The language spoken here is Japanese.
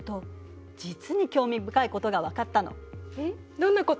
どんなこと？